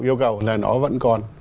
yêu cầu là nó vẫn còn